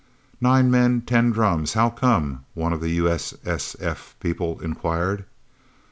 "Nine men ten drums how come?" one of the U.S.S.F. people inquired.